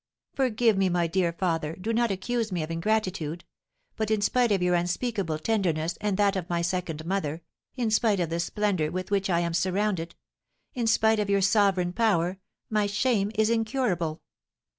"Forgive me, my dear father; do not accuse me of ingratitude. But in spite of your unspeakable tenderness and that of my second mother, in spite of the splendour with which I am surrounded, in spite of your sovereign power, my shame is incurable.